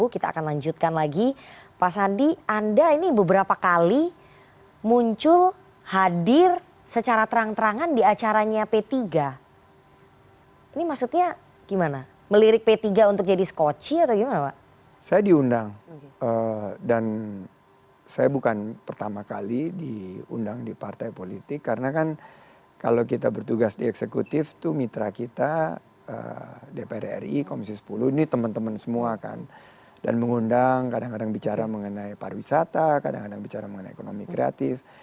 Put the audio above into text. kadang kadang bicara mengenai pariwisata kadang kadang bicara mengenai ekonomi kreatif